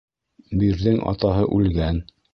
«Бир»ҙең атаһы үлгән.